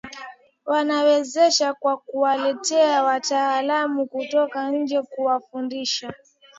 Wanawawezesha kwa kuwaletea wataalamu kutoka nje kuwafundisha